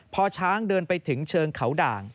พอช้างเดินไปถึงเชิงเขาด่าง